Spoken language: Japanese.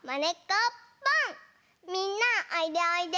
みんなおいでおいで。